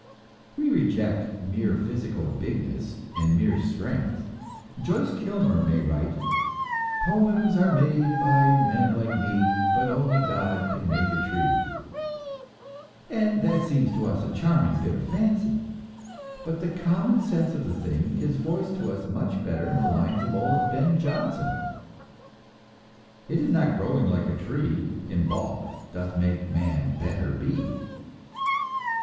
We reject mere physical bigness and mere strength. Joyce Kilmer may write: "Poems are made by men like me, But only God can make a tree" And that seems to us a charming bit of fancy; but the common sense of the thing is voiced to us much better in the lines of old Ben Jonson: "It is not growing like a tree In bulk doth make man better be."